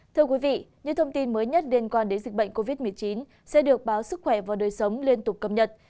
thưa quý vị những thông tin mới nhất liên quan đến dịch bệnh covid một mươi chín sẽ được báo sức khỏe và đời sống liên tục cập nhật